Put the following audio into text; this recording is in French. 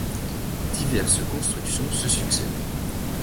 Diverses constructions se succèdent.